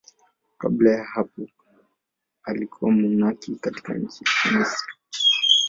Kabla ya hapo alikuwa mmonaki katika nchi yake, Misri.